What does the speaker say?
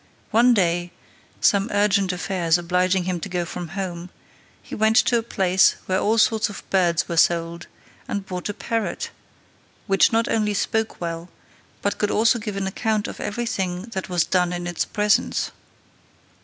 One day, some urgent affairs obliging him to go from home, he went to a place where all sorts of birds were sold, and bought a parrot, which not only spoke well, but could also give an account of every thing that was done in its presence.